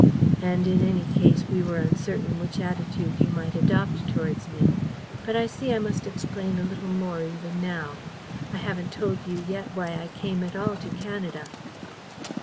And in any case we were uncertain which attitude you might adopt towards me. But I see I must explain a little more even now. I haven't told you yet why I came at all to Canada."